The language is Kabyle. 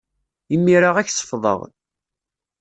Imir-a, ad k-sefḍeɣ.